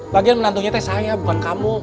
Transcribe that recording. lagian menantunya saya bukan kamu